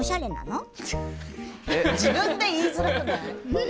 自分で言いづらくない？